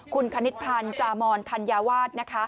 คุณคณิตพันธ์จามอนธัญวาสนะคะ